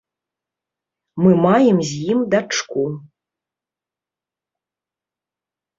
Мы маем з ім дачку.